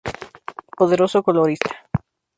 Poderoso colorista.